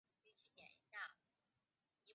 温宪公主在宫廷中的待遇亦高于惯常公主。